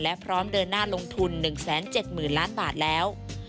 และพร้อมเดินหน้าลงทุน๑๗๐๐๐ล้านบาทแล้ว